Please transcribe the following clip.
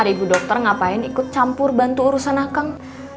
aduh ibu dokter ngapain ikut campur bantu urusan akang